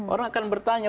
orang akan bertanya